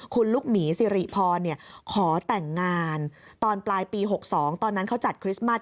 คุณลูกหมีสิริพรขอแต่งงานตอนปลายปี๖๒ตอนนั้นเขาจัดคริสต์มัส